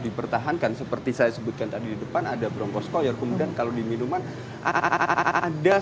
dipertahankan seperti saya sebutkan tadi depan ada broncoskoyar kemudian kalau diminuman ada